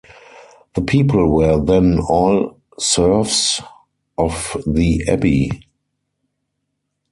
The people were then all serfs of the Abbey.